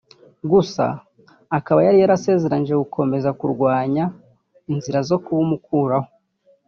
gusa akaba yari yarasezeranyije gukomeza kurwanya inzira zo kubumukuraho